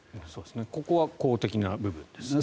ここは公的な部分ですね。